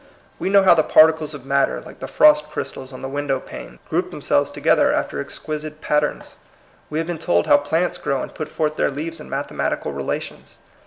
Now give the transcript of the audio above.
We know how the particles of matter, like the frost crystals on the window panes, group them selves together after exquisite patterns. We have been told how plants grow and put forth their leaves in mathematical relations.